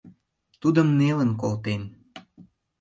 Тудым нелын колтен